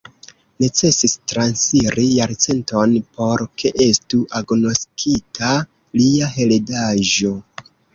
Necesis transiri jarcenton por ke estu agnoskita lia heredaĵo.